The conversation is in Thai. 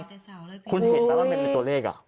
ร้านแต่เสาละพี่กูเห็นไหมว่าไม่มีตัวเลขอ่ะ